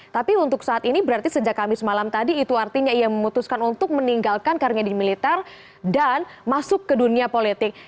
tapi untuk saat ini berarti sejak kamis malam tadi itu artinya ia memutuskan untuk meninggalkan karirnya di militer dan masuk ke dunia politik